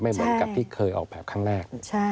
เหมือนกับที่เคยออกแบบครั้งแรก